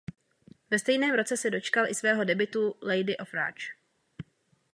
Ve stejném roce se dočkala i svého debutu Lady of Rage.